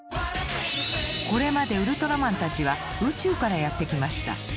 これまでウルトラマンたちは宇宙からやって来ました。